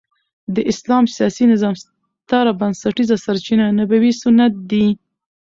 د اسلام د سیاسي نظام ستره بنسټيزه سرچینه نبوي سنت دي.